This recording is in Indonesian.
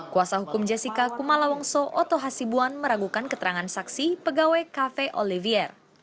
kuasa hukum jessica kumala wongso oto hasibuan meragukan keterangan saksi pegawai cafe olivier